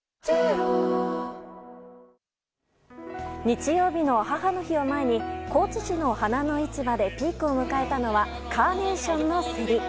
日曜日の母の日を前に高知市の花の市場でピークを迎えたのはカーネーションの競り。